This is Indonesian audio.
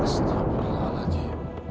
pasti berapa lagi